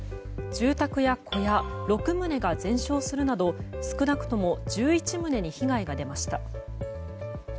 住宅や小屋６棟が全焼するなど少なくとも１１棟に被害が出ました。